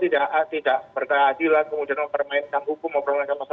buktikan bahwa hukum tidak bisa diragai hatta